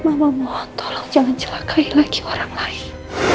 mama mohon tolong jangan celakai lagi orang lain